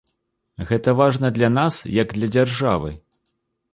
Гэта важна для нас, як для дзяржавы.